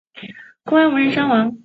公安无人伤亡。